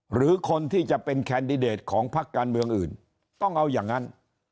หรือคนที่จะเป็นแคนดิเดตของพักการเมืองอื่นต้องเอาอย่างนั้น